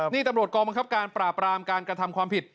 นี่ตำรวจกองบังคับการปราบรามการกระทำความผิด